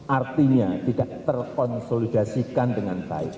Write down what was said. artinya tidak terkonsolidasikan dengan baik